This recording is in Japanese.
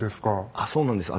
あっそうなんです。